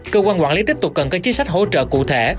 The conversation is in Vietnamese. cơ quan quản lý tiếp tục cần có chính sách hỗ trợ cụ thể